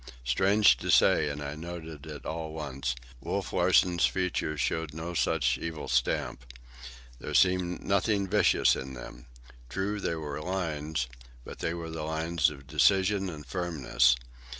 Strange to say, and I noted it at once, Wolf Larsen's features showed no such evil stamp. There seemed nothing vicious in them. True, there were lines, but they were the lines of decision and firmness.